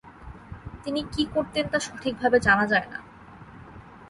তিনি কী করতেন তা সঠিক ভাবে জানা যায় না।